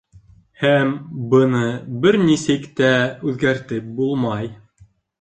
Һәм быны бер нисек тә үҙгәртеп булмай.